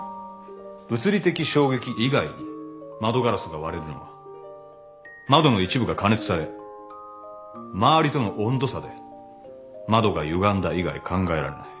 物理的衝撃以外に窓ガラスが割れるのは窓の一部が加熱され周りとの温度差で窓がゆがんだ以外考えられない。